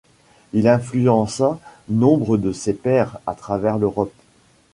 Il influença nombre de ses pairs à travers l'Europe.